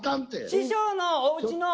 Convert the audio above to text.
師匠のおうちの。